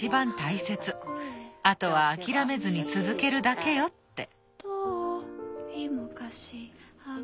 あとは諦めずに続けるだけよ」って。